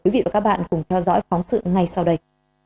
quý vị và các bạn cùng theo dõi phóng sự ngay sau đây